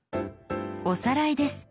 おさらいです。